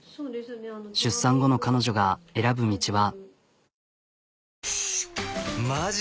出産後の彼女が選ぶ道は。